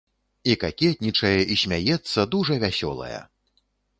І какетнічае, і смяецца, дужа вясёлая.